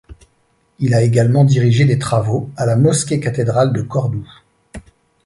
Il a également dirigé des travaux à la Mosquée-cathédrale de Cordoue.